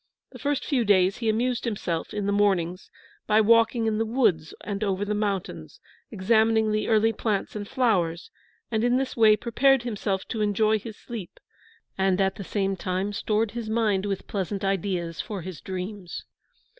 The first few days he amused himself, in the mornings, by walking in the woods and over the mountains, examining the early plants and flowers, and in this way prepared himself to enjoy his sleep, and at the same time stored his mind with pleasant ideas for his dreams.